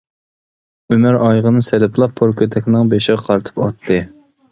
ئۆمەر ئايىغىنى سېلىپلا پور كۆتەكنىڭ بېشىغا قارىتىپ ئاتتى.